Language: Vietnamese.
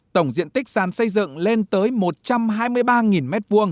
tổng diện tích sàn xây dựng lên tới một trăm hai mươi ba m hai